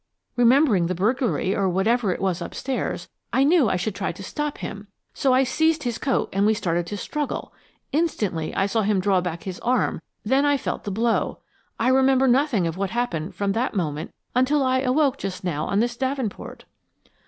Remembering the burglary, or whatever it was, upstairs, I knew I should try to stop him. So I seized his coat and we started to struggle. Instantly I saw him draw back his arm, then I felt the blow. I remember nothing of what happened from that moment until I awoke just now on this davenport."